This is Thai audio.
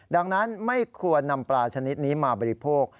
ดังนั้นไม่ควรนำปลาชนิดนี้มาบริโภค